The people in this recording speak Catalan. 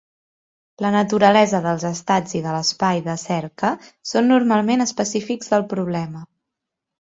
La naturalesa dels estats i de l'espai de cerca són normalment específics del problema.